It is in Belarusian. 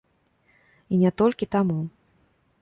І не толькі таму.